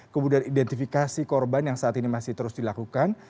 kemudian identifikasi korban yang saat ini masih terus dilakukan